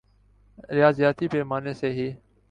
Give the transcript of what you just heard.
ریاضیاتی پیمانے سے ہی